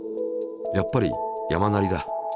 やっぱり山なりだ。